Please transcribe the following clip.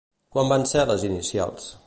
Quan van ser les inicials?